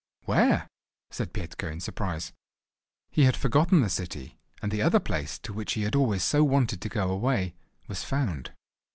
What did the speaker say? "Where?" said Petka in surprise. He had forgotten the city; and the other place, to which he had always so wanted to go away—was found.